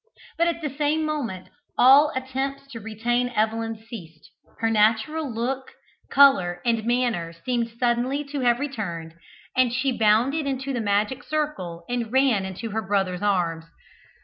But at the same moment all attempts to retain Evelyn ceased her natural look, colour, and manner seemed suddenly to have returned, and she bounded into the magic circle, and ran into her brother's arms.